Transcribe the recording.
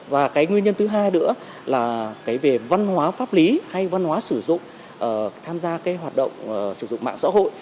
và cái nguyên nhân thứ hai nữa là cái về văn hóa pháp lý hay văn hóa sử dụng tham gia cái hoạt động sử dụng mạng xã hội